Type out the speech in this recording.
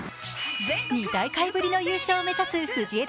２大会ぶりの優勝を目指す藤枝